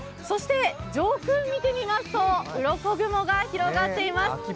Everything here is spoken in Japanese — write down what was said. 上空を見てみますと、うろこ雲が広がっています。